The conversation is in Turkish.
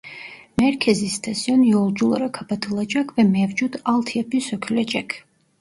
Merkez istasyon yolculara kapatılacak ve mevcut altyapı sökülecek.